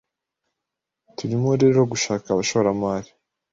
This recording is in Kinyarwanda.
Turimo rero gushaka abashoramari